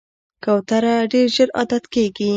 کوتره ډېر ژر عادت کېږي.